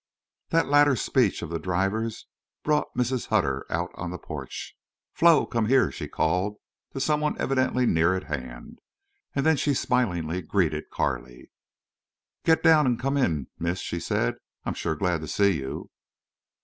That latter speech of the driver's brought Mrs. Hutter out on the porch. "Flo, come here," she called to some one evidently near at hand. And then she smilingly greeted Carley. "Get down an' come in, miss," she said. "I'm sure glad to see you."